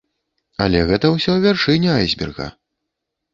Але гэта ўсё вяршыня айсберга.